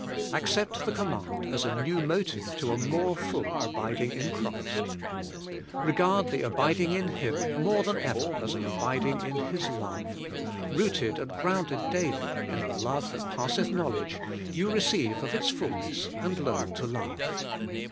Accept the command as a new motive to a more full abiding in Christ. Eegard the abiding in Him more than ever as an abiding in His love; rooted and grounded daily in a love that passeth knowledge, you receive of its fulness, and learn to love.